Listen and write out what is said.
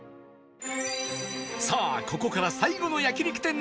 さあここから最後の焼肉店探し